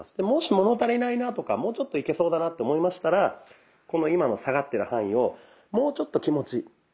もし物足りないなとかもうちょっといけそうだなと思いましたらこの今の下がってる範囲をもうちょっと気持ち。